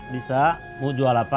bisa mau jual apa